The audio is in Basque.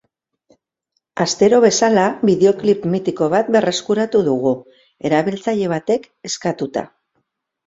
Astero bezala, bideoklip mitiko bat berreskuratu dugu, erabiltzaile batek eskatuta.